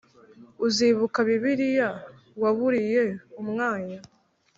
uzibuka bibiriya waburiye umwanya,